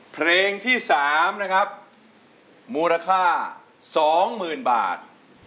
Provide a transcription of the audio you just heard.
เพลงที่สามนะครับมูลค่าสองหมื่นบาท